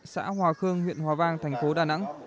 xã hòa khương huyện hòa vang thành phố đà nẵng